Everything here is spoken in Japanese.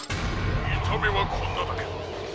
「みためはこんなだけど」。